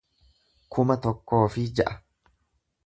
kuma tokkoo fi ja'a